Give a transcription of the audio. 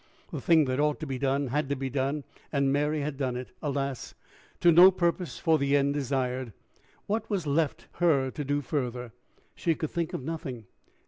The thing that ought to be done had to be done, and Mary had done it alas! to no purpose for the end desired: what was left her to do further? She could think of nothing.